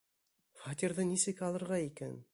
Фатирҙы нисек алырға икән?